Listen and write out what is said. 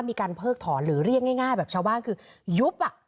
มีการเพิกถอนหรือเรียกง่ายแบบชาวบ้านคือยุบอ่ะ